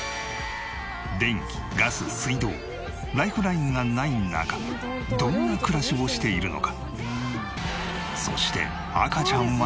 電気ガス水道ライフラインがない中どんな暮らしをしているのか？